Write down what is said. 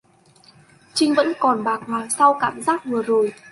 Chinh vẫn còn bàng hoàng sau cảm giác vừa rồi